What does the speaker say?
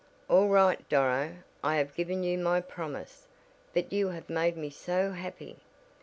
"All right Doro, I have given you my promise, but you have made me so happy!"